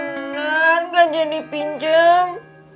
bener nggak jadi pinjam